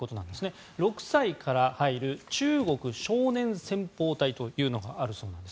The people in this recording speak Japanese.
６歳から入る中国少年先ぽう隊というのがあるそうなんです。